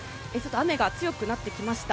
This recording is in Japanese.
雨が強くなってきました。